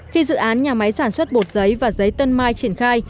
khi dự án nhà máy sản xuất bột giấy và giấy tân mai triển khai